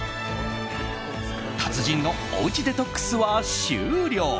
達人のおうちデトックスは終了。